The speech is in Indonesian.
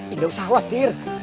indah usah khawatir